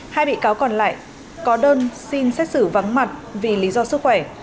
hai bị cáo còn lại có đơn xin xét xử vắng mặt vì lý do sức khỏe